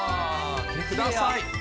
ください。